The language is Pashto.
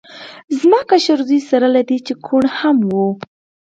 زما کشر زوی سره له دې چې کوڼ هم و